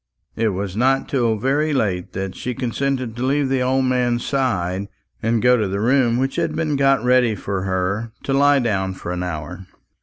It was not till very late that she consented to leave the old man's side and go to the room which had been got ready for her, to lie down for an hour.